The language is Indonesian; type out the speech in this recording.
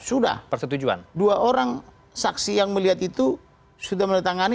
sudah dua orang saksi yang melihat itu sudah menerima